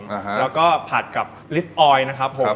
แล้วก็ผัดกับลิสต์ออยนะครับผม